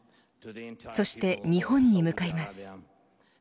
そして日本に向かいます。